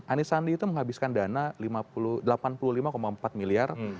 anies sandi itu menghabiskan dana delapan puluh lima empat miliar